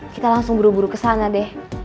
kita langsung buru buru ke sana deh